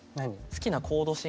「好きなコード進」？